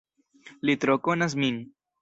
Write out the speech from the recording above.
Li tro konas min.